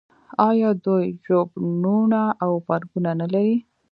آیا دوی ژوبڼونه او پارکونه نلري؟